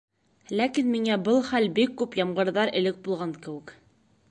Ләкин миңә был хәл бик күп ямғырҙар элек булған кеүек.